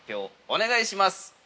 お願いします。